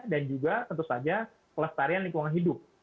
dan juga tentu saja pelestarian lingkungan hidup